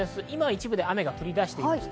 一部で雨が降り出しています。